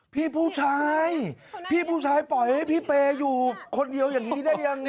พี่ผู้ชายพี่ผู้ชายปล่อยให้พี่เปย์อยู่คนเดียวอย่างนี้ได้ยังไง